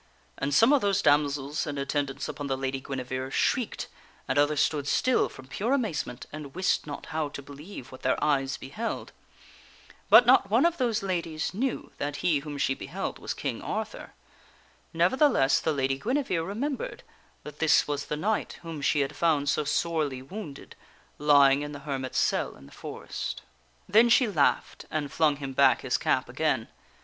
And some of those damsels in attendance upon the Lady Gui nevere shrieked, and others stood still from pure amazement and wist not how to believe what their eyes beheld. But not one of those ladies knew that he whom she beheld was King Arthur. Nevertheless the Lady Guinevere remembered that this was the knight whom she had found so sorely wounded, lying in the hermit's cell in the forest. Then she laughed and flung him back his cap again.